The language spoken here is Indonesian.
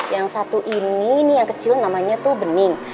yang satu ini ini yang kecil namanya tuh bening